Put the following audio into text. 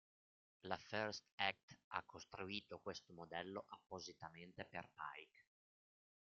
La First Act ha costruito questo modello appositamente per Pike.